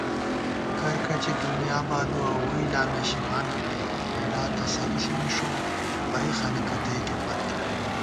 کرکچی دُنیا بالُوَہ ووئی لا نشِمان بی نئ * ہېڑا تسلی ݪی نِݭوم بئ خلَکہ تئیکے پت